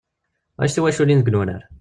Ulac tiwaculin deg yinurar.